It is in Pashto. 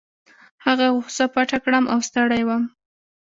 هغه غوسه پټه کړم او ستړی وم.